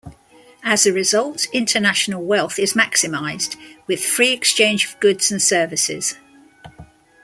As a result, international wealth is maximized with free exchange of goods and services.